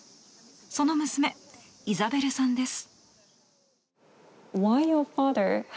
その娘、イザベルさんです。